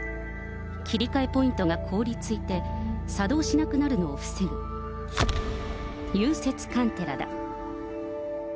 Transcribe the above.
切り替えポイントが凍りついて作動しなくなるのを防ぐ、融雪カンテラだ。